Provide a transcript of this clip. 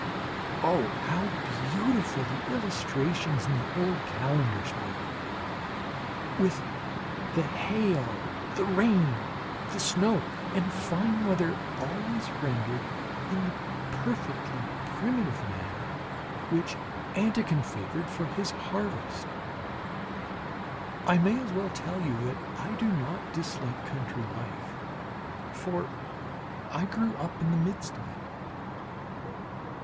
Oh, how beautiful the illustrations in the old calendars were! with the hail, the rain, the snow and fine weather always rendered in the perfectly primitive manner which Anquetin favoured for his "Harvest." I may as well tell you that I do not dislike country life for I grew up in the midst of it.